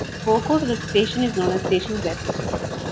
The forecourt of the station is known as Station Crescent.